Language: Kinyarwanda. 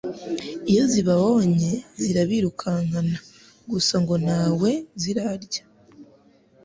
iyo zibabonye zirabirukankana ,gusa ngo ntawe zirarya.